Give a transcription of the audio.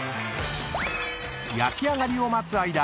［焼き上がりを待つ間］